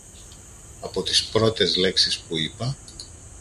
Από τις πρώτες λέξεις που είπα